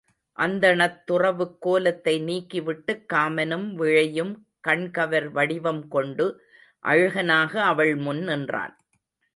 அந்தணத் துறவுக் கோலத்தை நீக்கிவிட்டுக் காமனும் விழையும் கண்கவர் வடிவம் கொண்டு அழகனாக அவள் முன் நின்றான்.